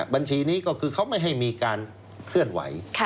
บัญชีนี้ก็คือเขาไม่ให้มีการเคลื่อนไหว